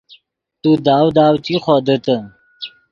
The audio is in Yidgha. تو داؤ داؤ چی خودیتے